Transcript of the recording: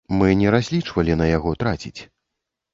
Мы не разлічвалі на яго траціць.